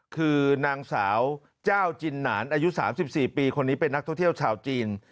คือนางสาวเจ้าจินหนานอายุ๓๔ปีคนนี้เป็นนักท่องเที่ยวชาวจีน